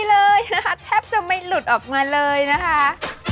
เลยนะคะแทบจะไม่หลุดออกมาเลยนะคะ